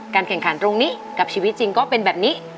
แข่งขันตรงนี้กับชีวิตจริงก็เป็นแบบนี้